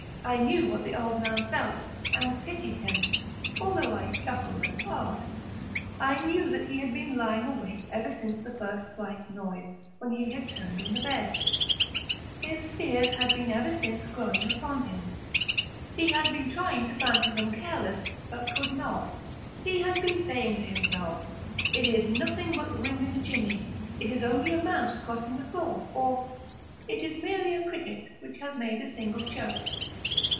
I knew what the old man felt, and pitied him, although I chuckled at heart. I knew that he had been lying awake ever since the first slight noise, when he had turned in the bed. His fears had been ever since growing upon him. He had been trying to fancy them causeless, but could not. He had been saying to himself—"It is nothing but the wind in the chimney—it is only a mouse crossing the floor," or "It is merely a cricket which has made a single chirp."